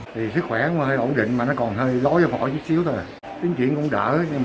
thì sức khỏe hơi ổn định mà nó còn hơi lói vào vỏ chút xíu thôi tính chuyển cũng đỡ nhưng mà